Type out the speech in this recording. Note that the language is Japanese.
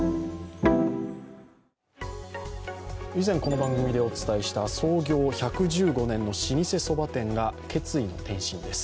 以前、この番組でお伝えした創業１１５年の老舗そば店が決意の転身です。